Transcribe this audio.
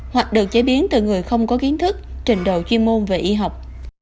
hoặc được chế biến từ người không có kiến thức trình độ chuyên môn về y học